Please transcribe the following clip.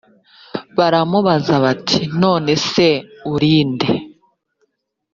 baramubaza bati none se uri nde?